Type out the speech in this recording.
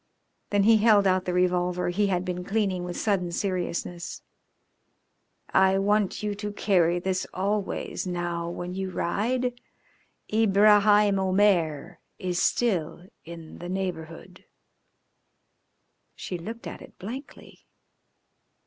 Then he held out the revolver he had been cleaning with sudden seriousness. "I want you to carry this always now when you ride. Ibraheim Omair is still in the neighbourhood." She looked at it blankly.